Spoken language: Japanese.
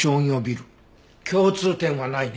共通点はないね。